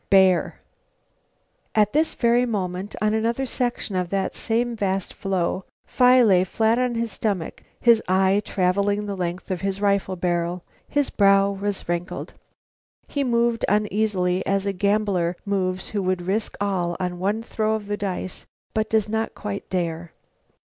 "Bear!" At this very moment, on another section of that same vast floe, Phi lay flat on his stomach, his eye traveling the length of his rifle barrel. His brow was wrinkled. He moved uneasily, as a gambler moves who would risk all on one throw of the dice but does not quite dare.